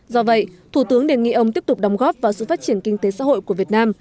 do vậy thủ tướng đề nghị ông tiếp tục đóng góp vào sự phát triển kinh tế xã hội của việt nam